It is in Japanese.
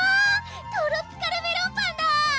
「トロピカルメロンパン」だ！